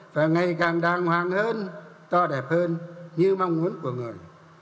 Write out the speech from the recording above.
và ngày càng đàng hoàng hơn to đẹp hơn như mong muốn của người